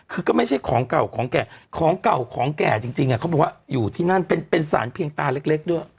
คือก็ไม่ใช่ของเก่าของแก่ของเก่าของแก่จริงเขาบอกว่าอยู่ที่นั่นเป็นสารเพียงตาเล็กด้วย